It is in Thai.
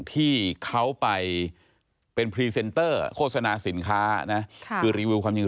ที่เขาไปเป็นพรีเซนเตอร์โฆษณาสินค้านะคือรีวิวความจริง